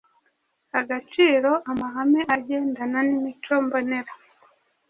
agaciro amahame agendana n’imico mbonera.